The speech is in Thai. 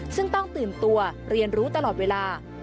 ซึ่งต้องตื่นตัวเรียนรู้ตลอดเวลา